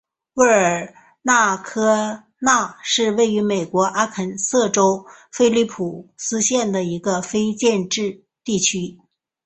沃尔纳特科纳是位于美国阿肯色州菲利普斯县的一个非建制地区。